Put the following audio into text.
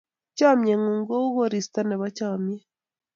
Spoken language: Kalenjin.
Chamnyengung kou koristo nebo chamnyet